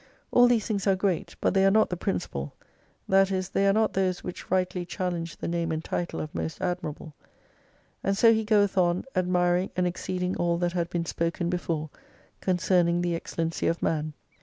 All these things are great, but they are not the principal : that is, they are not those which rightly challenge the name and title of most admirable. And so he goeth on, admiring and exceeding all that had been spoken before concerning the excellency of man.